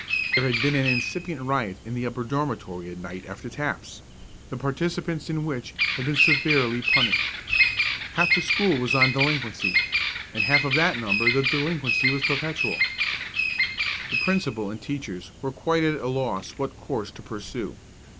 There had been an incipient riot in the upper dormitory at night after taps, the participants in which had been severely punished. Half the school was on delinquency, and of half that number the delinquency was perpetual. The principal and teachers were quite at a loss what course to pursue.